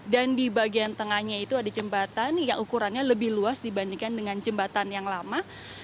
dan di bagian tengahnya itu ada jembatan yang ukurannya lebih luas dibandingkan dengan jembatan yang lama